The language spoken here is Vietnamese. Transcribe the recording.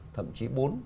thậm chí bốn